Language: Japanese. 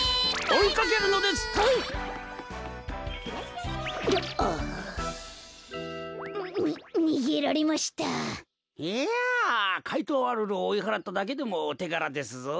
いやかいとうアルルをおいはらっただけでもおてがらですぞ。